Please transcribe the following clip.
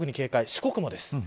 四国もです。